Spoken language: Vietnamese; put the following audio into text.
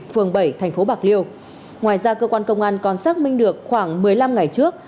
phường bảy thành phố bạc liêu ngoài ra cơ quan công an còn xác minh được khoảng một mươi năm ngày trước